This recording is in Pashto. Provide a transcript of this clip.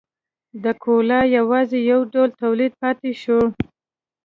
د کولالۍ یوازې یو ډول تولید پاتې شو